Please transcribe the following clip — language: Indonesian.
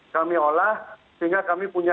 kami olah sehingga kami punya